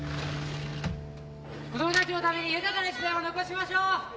子供たちのために豊かな自然を残しましょう！